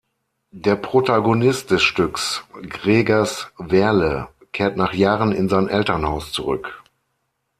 Der Protagonist des Stücks, Gregers Werle, kehrt nach Jahren in sein Elternhaus zurück.